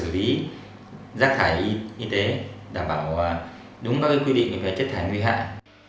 và đúng các quy định về chất thải nguy hại